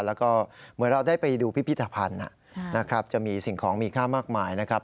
แล้วก็เหมือนเราได้ไปดูพิพิธภัณฑ์นะครับจะมีสิ่งของมีค่ามากมายนะครับ